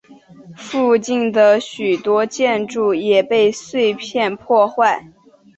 附近的许多建筑也被碎片破坏。